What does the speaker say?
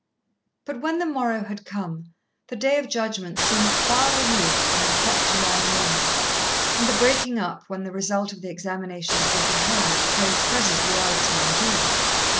But when the morrow had come, the Day of Judgment seemed far removed from the hot July morning, and the breaking up, when the result of the examinations would be heard, a very present reality indeed.